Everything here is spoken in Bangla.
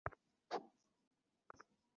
এই, জলদি দৌড়া।